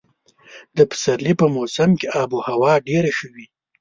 د پسرلي په موسم کې اب هوا ډېره ښه وي.